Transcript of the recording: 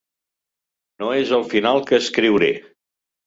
No és el final que escriuré.